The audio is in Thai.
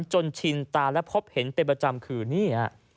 ชินตาและพบเห็นเป็นประจำคือนี่ฮะ